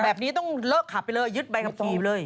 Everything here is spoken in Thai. แบบนี้ต้องเลิกขับไปเลยยึดใบขับขี่ไปเลย